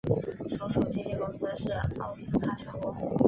所属经纪公司是奥斯卡传播。